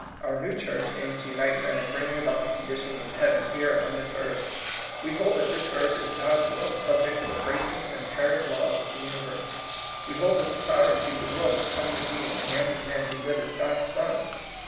Our new church aims to unite men in bringing about the conditions of heaven here on this earth. We hold that this earth is God's world, subject to the bracing and imperative laws of the uni verse. We hold that the sovereignty of the world is coming to be in the hands of men who live as God's sons.